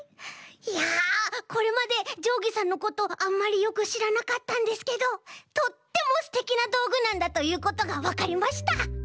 いやこれまでじょうぎさんのことあんまりよくしらなかったんですけどとってもステキなどうぐなんだということがわかりました。